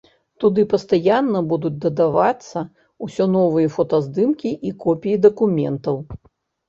Туды пастаянна будуць дадавацца ўсё новыя фотаздымкі і копіі дакументаў.